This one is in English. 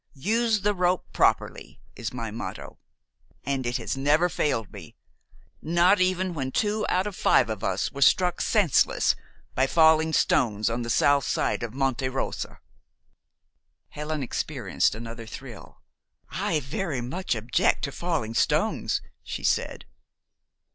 'Use the rope properly,' is my motto, and it has never failed me, not even when two out of five of us were struck senseless by falling stones on the south side of Monte Rosa." Helen experienced another thrill. "I very much object to falling stones," she said.